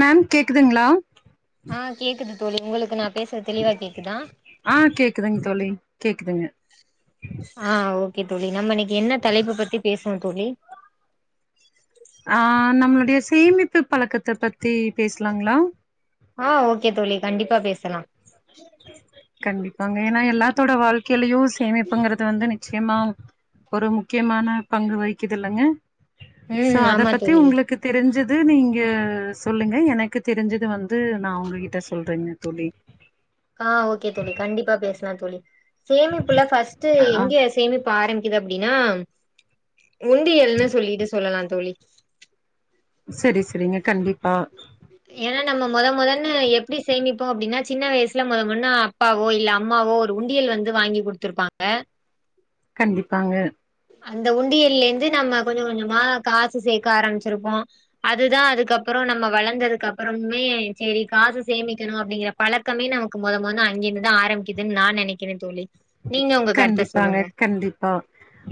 Ma'am கேக்குதுங்ளா ஆ கேக்குது தோழி உங்களுக்கு நா பேசுறது தெளிவா கேக்குதா ஆ கேக்குதுங் தோழி கேக்குதுங்க ஆ ஓகே தோழி நம்ம இன்னைக்கு என்ன தலைப்பு பத்தி பேசுவோ தோழி ஆ நம்மளுடைய சேமிப்பு பழக்கத்த பத்தி பேசலாங்ளா ஆ ஓகே தோழி கண்டிப்பா பேசலா கண்டிப்பாங்க ஏன்னா எல்லாத்தோட வாழ்க்கைலயு சேமிப்புங்கிறது வந்து நிச்சயமா ஒரு முக்கியமான பங்கு வகிக்குதுல்லங்க சோ ம் அத ஆமா பத்தி தோழி உங்களுக்கு தெரிஞ்சது நீங்க சொல்லுங்க எனக்கு தெரிஞ்சது வந்து நா உங்ககிட்ட சொல்றேங்க தோழி ஆ ஓகே தோழி கண்டிப்பா பேசலா தோழி சேமிப்புல ஃபர்ஸ்ட்டு ஆ ஆ, எங்க சேமிப்பு ஆரம்பிக்குது அப்டினா உண்டியல்னு சொல்லிட்டு சொல்லலா தோழி சரி சரிங்க கண்டிப்பா ஏன்னா நம்ம முத முதன்னு எப்டி சேமிப்போ அப்டினா சின்ன வயசுல முத முன்னு ஆ அப்பாவோ இல்ல அம்மாவோ ஒரு உண்டியல் வந்து வாங்கி குடுத்துருப்பாங்க கண்டிப்பாங்க அந்த உண்டியல்லேந்து நம்ம கொஞசோ கொஞ்சமா காசு சேக்க ஆரம்பிச்சிருப்போ அதுதா அதுக்கப்பறோ நம்ம வளர்ந்தது கப்பறமே செரி காசு சேமிக்கணு அப்டிங்கிற பழக்கமே நமக்கு மொத மொத அங்கிருந்துதா ஆரம்பிக்குதுன்னு நா நெனைக் கிறே தோழி நீங்க உங்க கருத்த கண்டிப்பாங்க சொல்லுங்க கண்டிப்பா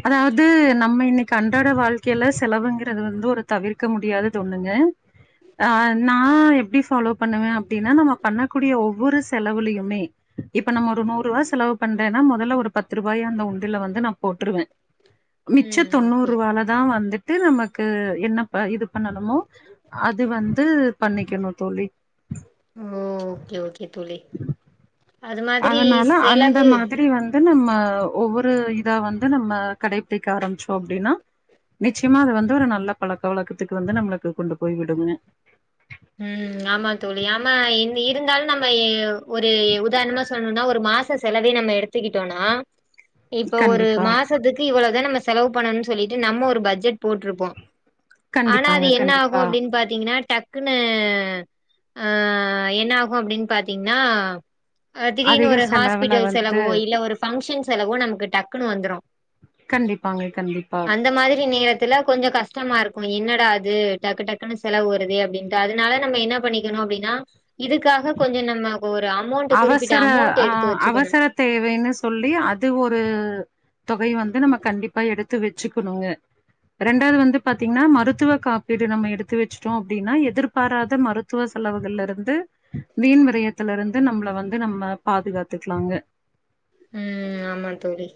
அதாவது நம்ம இன்னைக்கி அன்றாட வாழ்க்கைல செலவுங்கிறது வந்து ஒரு தவிர் க்க முடியாதது ஒன்னுங்க ஆ நா எப்டி ஃபாலோ பண்ணுவே அப்டின்னா நம்ம பண்ணக்கூடிய ஒவ்வொரு செலவுலியுமே இப்ப நம்ம ஒரு நூறு ரூவா செலவ் பண்றேன்னா மொதல்ல ஒரு பத்து ரூபாய அந்த உண்டியல்ல வந்து நா போட்டுருவே மிச்ச ம் தொண்ணூறு ஓகே ரூவால தா வந்துட்டு நமக்கு என்னப்ப இது பண்ணணுமோ அது வந்து பண்ணிக்கணு தோழி ஓ ஓகே ஓகே தோழி அது மாதிரி அதனால அந்த செலவு மாதிரி வந் ந்து நம்ம ஒவ்வொரு இதா வந்து நம்ம கடைபிடிக்க ஆரம்பிச்சோ அப்டின்னா நிச்சயமா அது வந்து ஒரு நல்ல பழக்க வழக்கத்துக்கு வந்து நம்மளுக்கு கொண்டு போய் விடுங்க ம் ஆமா தோழி ஆமா இன் இருந்தாலு நம்ம ஒரு உதாரணமா சொல்னுன்னா ஒரு மாச செலவே நம்ம எடுத்திக்கிட்டோனா இப்ப ஒரு கண்டிப்பா மாசத்துக்கு இவ்ளதா நம்ம செலவு பண்ணணுனு சொல்லிட்டு நம்ம ஒரு பட்ஜெட் போட்ருப்போ ஆனா கண்டிப்பாங்க அது என்ன ஆகு கண்டிப்பா அப்டின்னு பாத்தீங்கன்னா டக் குன்னு ஆ என்ன ஆகு அப்டின்னு பாத்தீங்கன்னா திடீர்னு அதிக ஒரு செலவுல ஹாஸ்பிட்டல் வந்து செலவோ இல்ல ஒரு ஃபங்க்ஷன் செலவோ நமக்கு டக்குன்னு வந்துரு கண்டிப்பாங்க கண்டிப்பா அந்த மாரி நேரத்துல கொஞ்சோ கஷ்டமா இருக்கு என்னடா இது டக்கு டக்குன்னு செலவு வருதே அப்டின்னு அதனால நம்ம என்ன பண்ணிக்கணு அப்டின்னா இதுக்காக கொஞ்ச நம்ம இப்ப ஒரு அமௌண்ட் குறிப்பிட்ட அவசர அமௌண்ட் ஆ எடுத்து வச்சுக்கணு அவசர தேவைன்னு சொல்லி அது ஒரு தொகை வந்து நம்ம கண்டிப்பா எடுத்து வச் சுக்கண்ணுங்க ரெண்டாவது வந்து பாத்தீங்கன்னா மருத்துவ காப்பீடு நம்ம எடுத்து வச்சுட்டோ அப்டின்னா எதிர்பாராத மருத் துவ செலவுகள்ல இருந்து வீண் விரையத்திலருந் து நம்பள வந்து நம்ம பாதுகாத்துக்கலாங்க ம் ஆமா தோழி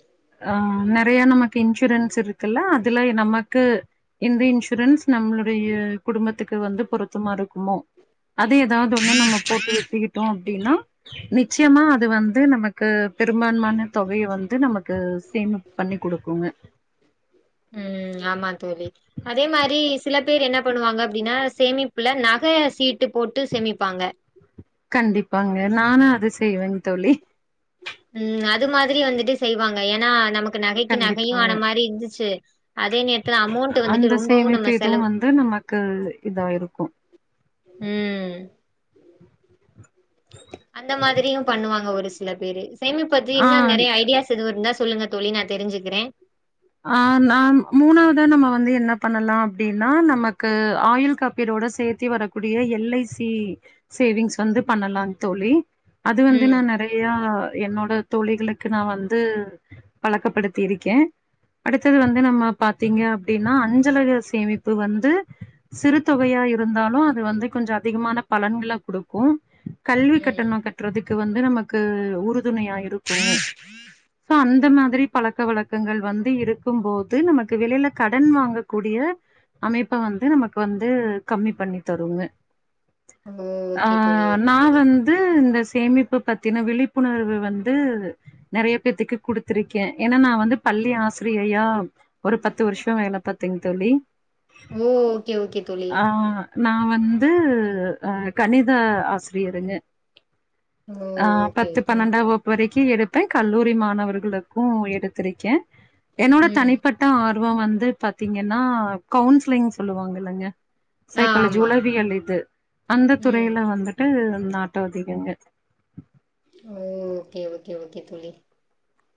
ஆம் நெறைய நமக்கு இன்சூரன்ஸ் இருக்குல்ல அதுல நமக்கு எந்த இன்சூரன்ஸ் நம்மளுடைய குடும்பத்துக்கு வந்து பொருத்தமா இருக்குமோ அது ஏதாவது ஒன்னு நம்ம போட்டு எத்துக்கிட்டோ அப்டின்னா நிச்சயமா அது வந்து நமக்கு பெரும்பான்மான தொகைய வந்து நமக்கு சேமிப் பண்ணி குடுக்குங்க ம் ஆமா தோழி அதே மாரி சில பேர் என்ன பண்ணுவாங்க அப்டின்னா சேமிப்புல நக சீட்டு போட்டு சேமிப்பாங்க கண்டிப்பாங்க நானு அது செய்வேங் தோழி ம் அது மாதிரி வந்துட்டு செய்வாங்க ஏனா நமக் நகைக்கி நகையு கண்டிப்பாங்க ஆன மாரி இருந்துச்சு அதே நேரத்துல அமௌண்ட்டு வந்துட்டு ரொம்பவு நம்ம செலவ் க இதா இருக்கு ம் அந்த மாரியு பண்ணுவாங்க ஒரு சில பேரு சேமிப்பு பத்தி ஆ இன்னோ நெறைய ஐடியாஸ் எதுவு இருந்த சொல்லுங்க தோழி நா தெரிசுக்கிறே ஆ நா மூணாவதா நம்ம வந்து என்ன பண்ணலா அப்டின்னா நமக்கு ஆயுள் காப்பீடோட சேத் வரக்கூடிய எல்ஐசி சேவிங்ஸ் வந்து பண்ணலாம் தோழி அது வந்து நா ம், நறைய ய என்னோட தோழிகளுக்கு நான் வந்து பழக்கப்படுத்தி இருக்கேன் அடுத்தது வந்து நம்ம பாத்தீங்க அப்படின்னா அஞ்சலக சேமிப்பு வந்து சிறு தொகையா இருந்தாலும் அது வந்து கொஞ்சோம் அதிகமான பலன்கள குடுக்கும் கல்வி ம். கட்டணம் கட்டுறதுக்கு வந்து நமக்கு உறுதுணையா இருக்கும் சோ அந்த மாதிரி பழக்க வழக்கங்கள் வந்து இருக்கும் போது நமக்கு வெளியில கடன் வாங்கக்கூடிய அமைப்ப வந்து நமக்கு வந்து கம்மி பண்ணி தருங்க மம் ஓகே தோழி ஓகே தோழி ம் இந்த சேமிப்பு பத்தீன விழிப்புணர்வு வந்து நறைய பேத்துக்கு குடுத்திருக்கேன் ஏன்னா நான் வந்து பள்ளி ஆசி ரியையா ஒரு பத்து வருஷம் வேல பாத்திங் தோழி ஓ ஓகே ஓகே தோழி நான் வந்து அ கணித ஆசிரியருங்க ஓ! ஆ ஓகே, பத்து ஓகே. பன்னெண்டா வகுப் வரைக்கும் எடுப்பேன் கல்லூரி மாணவர்களுக்கும் எடுத்திருக்கேன் என்னோட ம். தனிப்பட்ட ஆர்வம் வந்து பாத்தீங்கன்னா கவுன்சிலிங் சொல்லுவாங்கள இல்லங்க ஆ சைக்காலஜி ஆமா. உளவியல் இது அந்த ம். துறையில வந்துட்டு நாட்டம் அதிகங்க ஓ ஓகே ஓகே ஓகே தோழி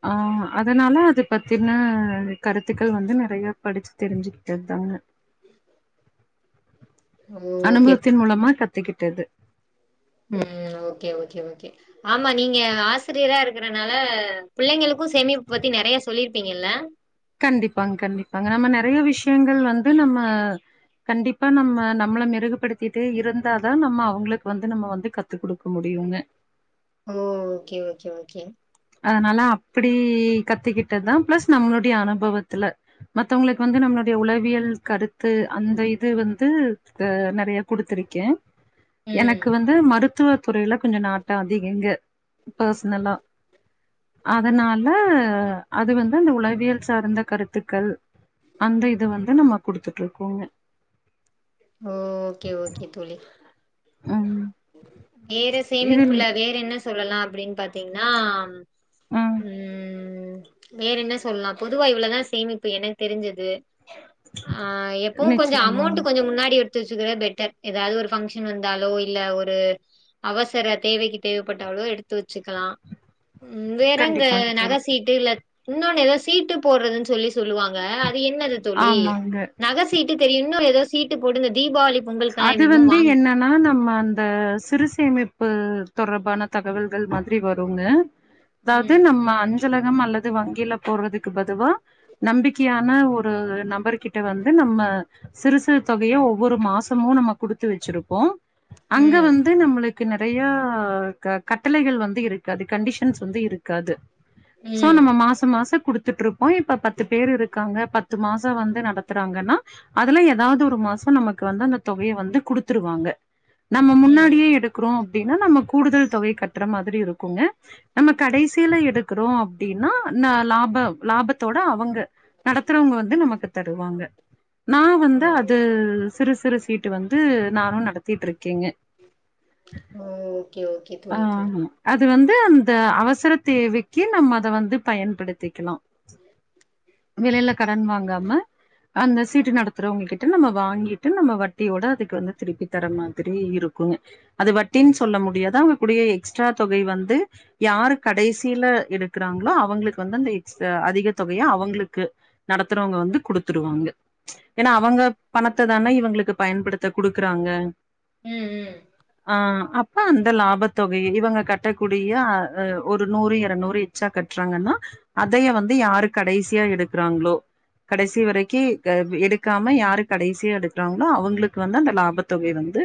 ஆ அதனால அது பத்தின கருத்துக்கள் வந்து நறைய படிச்சு தெரிஞ்சுக்கிட்டது தாங்க ஓ! ஓகே. அனுபவத்தின் மூலமா கத்துக்கிட்டது ம் ஓகே ஓகே ஓகே ஆமா நீங்க ஆசிரியரா இரு இருக்கறனால பிள்ளைங்களுக்கும் சேமிப்பு பத்தி நறைய சொல்லிருப்பீங்கல்ல கண்டிப்பாங்க கண்டிப்பாங்க நம்ம நறைய விஷயங்கள் வந்து நம்ப கண்டிப்பா நம்ம நம்மள மிருகுப்படுத்திட்டு இருந்தா தான் நம்ம அவங்களுக்கு வந்து நம்ம வந்து கருத் கத்து குடுக்க முடியுங்க ஓ ஓகே ஓகே ஓகே அதனால அப்படி கத்துக்கிட்டது தான் ப்ளஸ் நம்மளுடைய அனுபவத்துல மத்தவங்களுக்கு வந்து நம்மளுடைய உளவியல் கருத்து அந்த இது வந்து. அது நறைய குடுத்திருக்கேன் [inaudible] எனக்கு வந்து மருத்துவ துறையில கொஞ்சம் நாட்டம் அதிகம்ங்க பர்சனலா அதனால அது வந்து அந்த உளவியல் சார்ந்த கருத்துக்கள் அந்த இது வந்து நம்ம குடுத்துட்டு இருக்கோங்க ஓ ஓகே ஓகே தோழி ம் வேற இதில் சேமிப்புள்ள வேற என்ன சொல்லலாம் அப்டின்னு பாத்தீங்ன்னா ம் ம் வேற என்ன சொல்லலாம் பொதுவா இவ்ளோவுதான் சேமிப்பு எனக்கு தெரிஞ்சது ஆஹ எப்பவும் கொஞ்சம் நிச்சயமாங்க அமௌண்ட் கொஞ்சம் முன்னாடி வி எடுத்து வச்சுக்கிறது பெட்டர் ஏதாவது ஒரு ஃபங்ஷன் வந்தாலோ இல்ல ஒரு அவசர தேவைக்கு தேவைப்பட்டாளோ எடுத்து வச்சுக்கலாம் ம் வேறங்க கண்டிப்பாங்க நக தோழி சீட் இல்ல இன்னொன்னு ஏதோ சீட்டு போடுறதுன்னு சொல்லி சொல்லுவாங்க அது என்னது தோழி ஆமாங்க நகஸ் சீட்டு தெரியும் இன்னொரு ஏதோ சீட்டு போடுங்க தீபாவளி பொங்கலுக்கெல்லா அது என்னென்னமோ வந்து வாங் என்னா ஆனா நம்ம அந்த சிறுசேமிப்பு தொடர்பான தகவல்கள் மாதிரி வருங்க [inaudible] அதாவ்து நம்ம அஞ்சலகம் அல்லது வங்கியில போடுறதுக்கு பதுவா நம்பிக்கையான ஒரு நபர் கிட்ட வந்து நம்ம சிறு சிறு தொகையை ஒவ்வொரு மாச மு நம்ம குடுத்து வச்சிருப்போ அங்க ம் வந்து நம்மளுக் கு நறையா க கட்டளைகள் வந்து இருக்கு ஆ கண்டிஷன்ஸ் வந்து இருக்காது சோ ம் நம்ம மாசம் மாசம் குடுத்துட்ருப் போ இப்ப பத்து பேர் இருக்காங்க பத்து மாச வந்து நடத்துறாங்கன்னா அதுல எதாவ்து ஒரு மாச நமக்கு வந்து அந்த தொகய வந்து குடுத்துருவாங்க நம்ம ம் முன்னாடியே எடுக் க்றோ அப்டின்னா நம்ம கூடுதல் தொகய கட்ற மாதிரி இருக்கூங்க நம்ம கடைசியில எடுக்குறோ அப்டின்னா ந லாபம் லாபத்தோட அவங்க நடத்துறவுங்க வந்து நமக்கு தருவாங்க நா ஓ வந்து அது சிறு சிறு சீட் டு வந்து நானு நடத்திட்ருக்கேங்க ஆ ஓக்கே ஓக்கே ஆ தோழி தோழி அது வந்து அந்த அவசரத் தேவைக்கி நம்ம அத வந்து பயன்படுத்திக்லா வெளில கடன் வாங்காம அந்த சீட்டு நடத்துறவுங்ககிட்ட நம்ம வாங்கிட்டு நம்ம வட் ட்டியோட அதுக்கு வந்து திருப்பி தர மாதிரி இருக்கூங்க அது வட்டின் சொல்ல முடியாது அவங்கக்கூடிய எக்ஸ்ட்ரா தொகை வந்து யாரு கடைசியில எடுக்குறாங்ளோ அவங்களுக்கு வந்து அந்த எக்ஸ்ட்ரா அதிக தொகையா அவங்களுக்கு நடத்துறவுங்க வந்து குடுத்துருவாங்க ஏன்னா அவங்க பணத்த தான இவுங்களுக்கு பயன்படுத்த குடுக்குறாங்க ம் ம் ஆ அப் அ அந்த லாபத்தொகய இவங்க கட்டக்கூடிய அ ஒரு நூறு எரநூறு எச்சா கட்றாங்கன்னா அதைய வந்து யாரு கடைசியா எடுக்குறாங்களோ கடைசி வரைக்கி எடுக்காம யாரு கடைசியா எடுக்குறாங் னா அவுங்களுக்கு வந்து அந்த லாபத்தொகை வந்து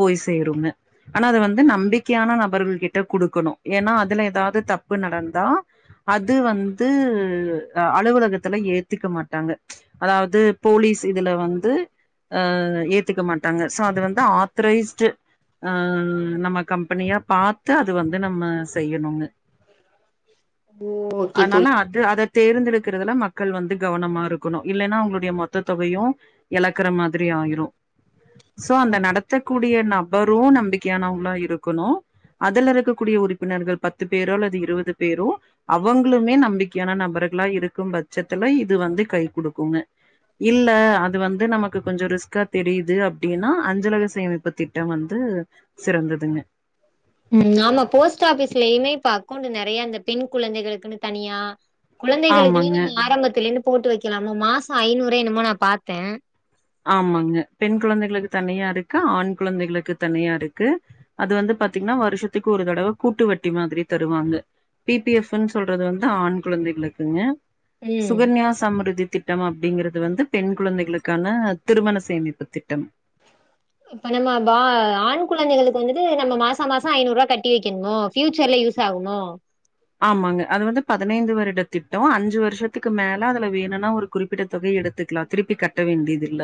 போய் சேருங்க ஆனா அது வந்து நம்பிக்கையான நபர்கள் கிட்ட குடுக்கணு ஏன்னா அதுல ஏதாது தப்பு நடந்தா அது வந்து அலுவலகத்துல ஏத்துக்க மாட்டாங்க அதாவ்து போலீஸ் இதுல வந்து ஆ ஏத்துக்க மாட்டாங்க சோ அது வந்து ஆத்தரைஸ்டு ஆ நம்ம கம்பனியா பாத்து அது வந்து நம்ம செய்யணுங்க [inaudible] ஓகே தோழி அத்னால அது அத தேர்ந்தெடுக்கறதுல மக்கள் வந்து கவனமாருக்குணு இல்லன்னா அவுங்களுடைய மொத்த தொகையு எழக்கற மாத் த்ரி ஆயிரு சோ அந்த நடத்தக் கூடிய நபரு நம்பிக்கையானவுங்ளா இருக்குணு அதுல இருக்கக்கூடிய உறுப்பினர்கள் பத்து பேரோ அல்லது இருவது பேரோ அவங்களுமே நம்பிக்கையான நபர்களா இருக்கும் பட்சத்துல இது வந்து கை குடுக்குங்க இல்ல அது வந்து நமக் கு கொஞ்சொ ரிஸ்க்கா தெரியுது அப்டின்னா அஞ்சலக சேமிப்பு திட்டம் வந்து சிறந்ததுங்க ம் ஆமா போஸ்ட் ஆபிஸ்லயுமே இப்ப அக்கௌண்ட் நெறய இந்த பெண் குழந்தைகளுக்குன்னு தனியா குழந்தைகளுக்குனு ஆமாங்க நீங்க ஆரம்பத்துலே இருந்து போட்டு வக்கலாம் மாசம் ஐநூறு என்னமோ நா பாத்தே ஆமாங்க பெண் குழந்தைகளுக்கு தனியா இருக்கு ஆண் குழந்தைகளுக்கு தனியா இருக்கு அது வந்து பாத்தீங்ன்னா வருஷத்துக்கு ஒரு தடவ கூட்டுவட்டி மாதிரி தருவாங்க பி பி எஃப்ன்னு சொல்றது வந்து ஆண் கொழந்தைகளுக்குங்க ம் சுகன்யா சம்ருதி திட்டம் அப்படிங்கறது வந்து பெண் குழந்தைகளுக்கான திருமண சேமிப்புத் திட்டம் [inaudible] இப்ப நம்ப பா ஆண் குழந்தைகளுக்கு வந்துட்டு நம்ம மாச மாசோ ஐநூருவா கட்டி வெக்கிணுமோ ஃபியூச்சர்ல யூஸ் ஆகுமோ ஆமாங்க அது வந்து பதினைந்து வருட திட்டோ அஞ்சு வர்ஷத்துக்கு மேல அதுல வேணுனா ஒரு குறிப்பிட்ட தொகை எடுத்துக்கலா திருப்பி கட்ட வேண்டியது இல்ல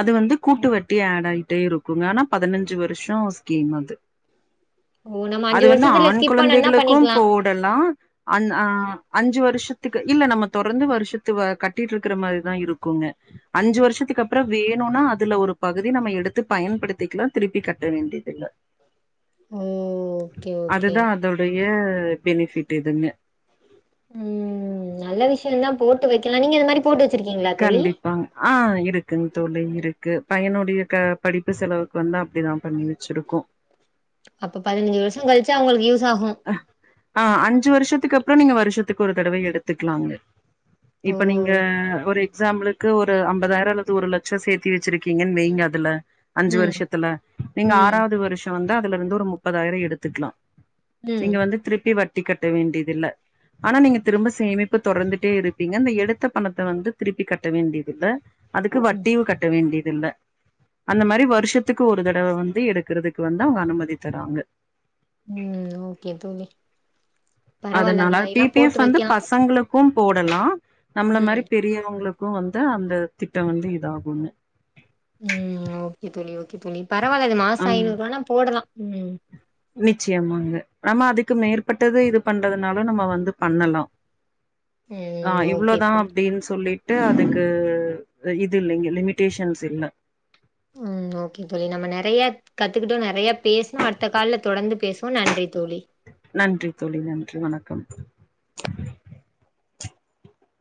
அது வந்து கூட்டு வட்டி ஆட் ஆகிட்டே இருக்குங்க ஆனா பதினஞ்சு வருஷோ ஸ்கீம் அது ஓ நம்ம அஞ்சு அது வந்து வருஷத்துல ஆண் ஸ்கிப் பண்ணோம்னா குழந்தைகளுக்கு பண்ணிக்கலா போடலா அந் ஆ அஞ்சு வருஷத்துக்கு இல்ல நம்ம தொடர்ந்து வருஷத்து அ கட்டிட்டு இருக்குற மாரிதா இருக்குங்க அஞ்சு வருஷத்துக்கு அப்பறோ வேணுனா அதுல ஒரு பகுதி நம்ம எடுத்து பயன்படுத்திக்லா திருப்பி கட்ட வேண்டியது இல்ல ஓ ஓகே ஓகே அதுதா அதோடைய பெனிஃபிட்டு எதுங்க ம் நல்ல விஷ்யந்தா போட்டு வெக்கலா நீங்க இது மாரி போட்டு வெச்சிருக்கீங்களா தோழி கண்டிப்பாங்க ஆ இருக்குங் தோழி இருக்கு பையனோடைய க படிப்பு செலவுக்கு வந்து அப்டிதா பண்ணி வெச்சுருக்கோ அப்ப பதினஞ்சு வர்ஷோ கழிச்சி அவுங்குளுக்கு யூஸ் ஆகோ ஆ அஞ்சு வர்ஷத்துக்கு அப்றம் நீங்க வருஷத்துக்கு ஒரு தடவ எடுத்துக்குலாங்க இப்ப நீங்க ஒரு எக்ஸாம்பிளுக் கு ஒரு அம்பதாயிரம் அல்லது ஒரு லட்சோ சேத்தி வெச்சிருக்கீங்கன்னு வெய்ங்க அதுல அஞ்சு ம் வருஷத்துல நீங்க ம் ஆறாவது வருஷோ வந்து அதுலருந்து ஒரு முப்பதாயிரோ எடுத்துக்லா நீங்க ம் வந்து திருப்பி வட்டி கட்ட வேண்டியதில்ல ஆனா நீங்க திரும்ப சேமிப்பு தொடர்ந்துட்டே இருப்பீங்க இந்த எடுத்த பணத்த வந்து திருப்பி கட்ட வேண்டியதில்ல அதுக்கு ம் வட்டியு கட்ட வேண்டியதில்ல அந்த மாரி வருஷத்துக்கு ஒரு தடவ வந்து எடுக்குறதுக்கு வந்து அவுங்க அனுமதி தராங்க ம் ஓகே தோழி பரவாயில்ல அதனால அது பி மாரில்லா பி எஸ் போட்டு வந்து வைக்கலா பசங்களுக் கு போடலா நம்மள மாரி ம் பெரியவங்களுக்கு வந்து அந்த திட்டோ வந்து இதாகுங்க ம் ஓகே தோழி ஓகே தோழி பரவால்ல இது மாசோ அந்த ஐநூறுவானா போடலா நிச்சயமாங்க நம்ம அதுக்கு மேற்பட்டது இது பண்றதுனாலு நம்ம வந்து பண்ணலா நா ம் ஓகே இவ்ளதா தோழி அப்டீன்னு சொல்லிட் டு அதுக்கு இது இல்லீங்க லிமிடேஷன்ஸ் இல்ல ம் ஓகே தோழி நம்ம நறைய கத்துக்கிட்டோ நறைய பேசுணோ அடுத்த கால்ல தொடந்து பேசுவோ நன்றி தோழி நன்றி தோழி நன்றி வணக்கம்